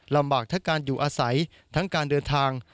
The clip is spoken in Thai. ลำบากทั้งการอยู่อาศัยทั้งการเดินทาง